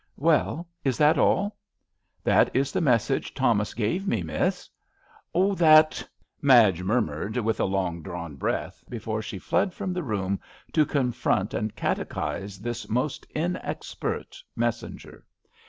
"Well, is that all?" " That is the message Thomas gave me, Miss." " Oh ! that '' Madge mur mured, with a long drawn breath, before she fled from the room to confront and catechise this most inexpert messenger.